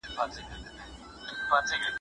ذهن د انسان ترټولو قیمتي شتمني ده.